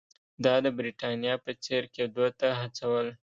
دا د برېټانیا په څېر کېدو ته هڅول.